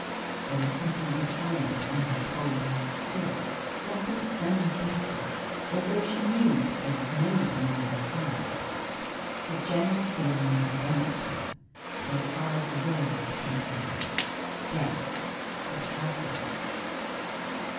There was something defiant in her cold eyes still, something unbeaten, although she knew that there was no one on her side. The general feeling was against her. So far as the world was concerned, Death could have her.